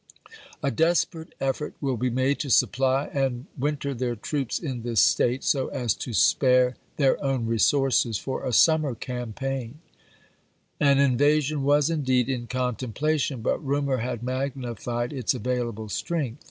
A desperate effort will be made to supply and winter their troops in this mccSK State, so as to spare their own resources for a sum i86i?^w.^r. „ A ..,,,, Vol. VIII., mer campaign." An invasion was indeed m con p. 392. templation, but rumor had magnified its available strength.